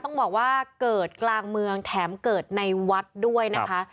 ต้องบอกว่าเกิดกลางเมืองแถมเกิดในวัดด้วยนะคะ